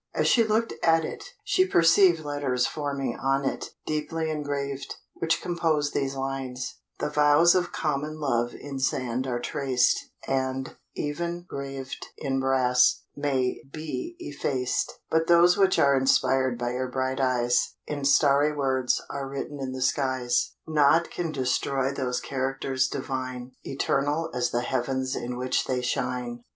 As she looked at it, she perceived letters forming on it, deeply engraved, which composed these lines: The vows of common love in sand are traced, And, even 'graved in brass, may be effaced; But those which are inspired by your bright eyes, In starry words are written in the skies. Nought can destroy those characters divine, Eternal as the heavens in which they shine.